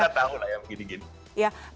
kita tahu lah ya begini gini